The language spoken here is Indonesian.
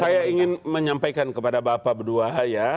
saya ingin menyampaikan kepada bapak berdua